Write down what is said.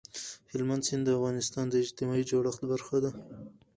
هلمند سیند د افغانستان د اجتماعي جوړښت برخه ده.